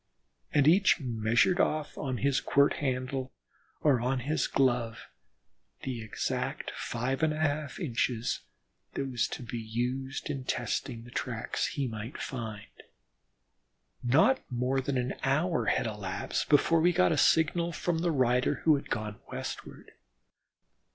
And each measured off on his quirt handle, or on his glove, the exact five and a half inches that was to be used in testing the tracks he might find. Not more than an hour elapsed before we got a signal from the rider who had gone westward.